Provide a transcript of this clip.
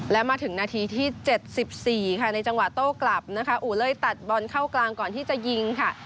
และมาถึงนาทีที่๗๔ค่ะในจังหวะโต้กลับนะคะอู่เลยตัดบอลเข้ากลางก่อนที่จะยิงค่ะ